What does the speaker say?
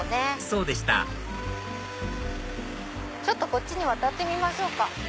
そうでしたこっちに渡ってみましょうか。